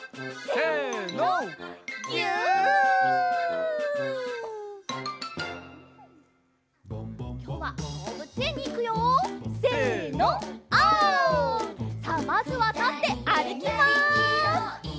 さあまずはたってあるきます！